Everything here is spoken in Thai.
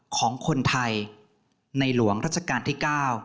ของคนไทยในหลวงรัชกาลที่๙